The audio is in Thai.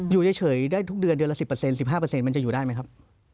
อยู่เฉยได้ทุกเดือนเดือนละ๑๐๑๕มันจะอยู่ได้ไหมครับ